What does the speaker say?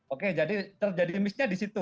oke jadi misnya disitu